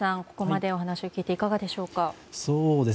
ここまでお話を聞いていかがでしょうか。